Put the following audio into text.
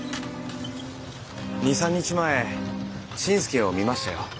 ２３日前新助を診ましたよ。